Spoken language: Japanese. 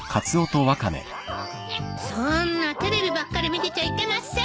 そんなテレビばっかり見てちゃいけません！